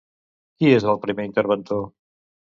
Qui és el primer interventor?